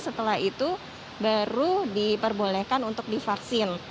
setelah itu baru diperbolehkan untuk divaksin